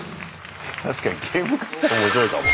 確かにゲーム化したら面白いかも。